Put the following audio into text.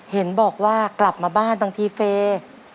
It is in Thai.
เห็นบอกว่ากลับมาบ้านบางทีเฟย์